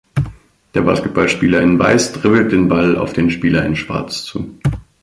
Der Basketballspieler in Weiß dribbelt den Ball auf den Spieler in Schwarz zu.